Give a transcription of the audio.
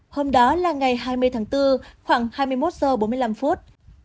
hôm đó là ngày hai mươi tháng bốn khoảng hai mươi một giờ bốn mươi năm phút